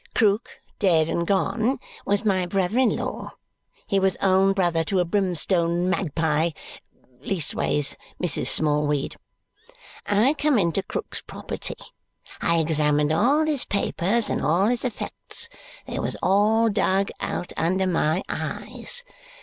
Krook, dead and gone, was my brother in law. He was own brother to a brimstone magpie leastways Mrs. Smallweed. I come into Krook's property. I examined all his papers and all his effects. They was all dug out under my eyes.